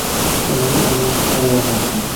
Yomg'ir aralash qor yog'moqda